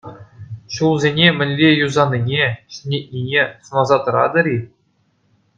Ҫулсене мӗнле юсанине, ҫӗнетнине сӑнаса тӑратӑр-и?